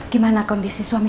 gimana kondisi suami